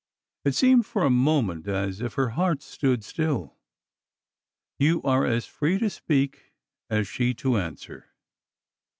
(It seemed for a moment as if her 5 heart stood still.) " You are as free to speak as she to answer."